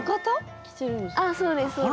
ああそうですそうです。